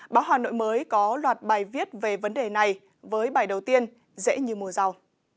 báo hà nội mới có loạt bài viết về vấn đề này với bài đầu tiên dễ như mùa giàu